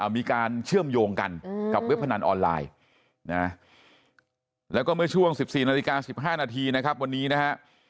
มีการเชื่อมโยงกันกับเว็บพนันออนไลน์นะแล้วก็เมื่อช่วง๑๔นาฬิกา๑๕นาทีนะครับวันนี้นะฮะ